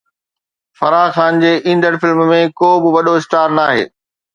فرح خان جي ايندڙ فلم ۾ ڪو به وڏو اسٽار ناهي